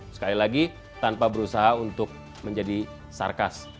sekali lagi tanpa berusaha untuk menjadi sarkas